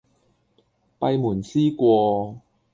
閉門思過